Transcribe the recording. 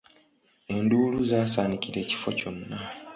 Enduulu zaasaanikira ekifo kyonna.